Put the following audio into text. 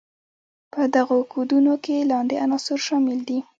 په دغو کودونو کې لاندې عناصر شامل دي.